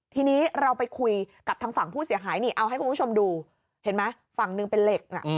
ทีนี้เราไปคุยกับทางฝั่งผู้เสียหายนี่เอาให้คุณผู้ชมดูเห็นไหมฝั่งหนึ่งเป็นเหล็กน่ะ